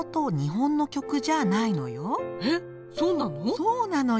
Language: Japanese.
そうなのよ。